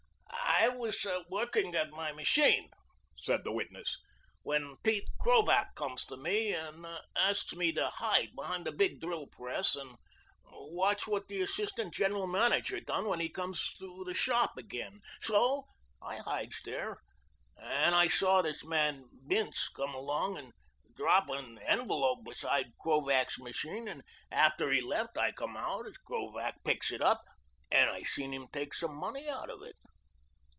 "I was working at my machine," said the witness, "when Pete Krovac comes to me and asks me to hide behind a big drill press and watch what the assistant general manager done when he comes through the shop again. So I hides there and I saw this man Bince come along and drop an envelope beside Krovac's machine, and after he left I comes out as Krovac picks it up, and I seen him take some money out of it."